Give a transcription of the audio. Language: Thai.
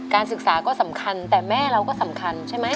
ศึกษาก็สำคัญแต่แม่เราก็สำคัญใช่ไหม